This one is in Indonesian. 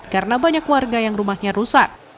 karena banyak warga yang rumahnya rusak